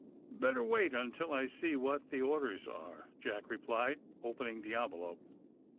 "Better wait until I see what the orders are,'* Jack replied, opening the envelope.